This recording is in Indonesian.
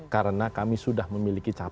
karena kami sudah memiliki capres